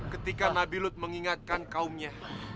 ketika nabi lud mengingatkan kaumnya